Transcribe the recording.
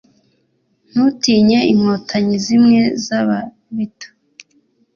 ntutinye inkotanyi zimwe z,ababito